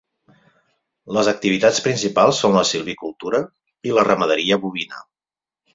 Les activitats principals són la silvicultura i la ramaderia bovina.